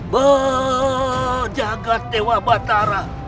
bejaga tewa batara